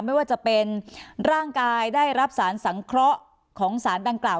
ไม่ว่าจะเป็นร่างกายได้รับสารสังเคราะห์ของสารดังกล่าว